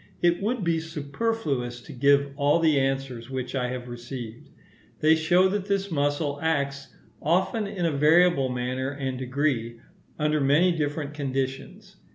It would be superfluous to give all the answers which I have received. They show that this muscle acts, often in a variable manner and degree, under many different conditions.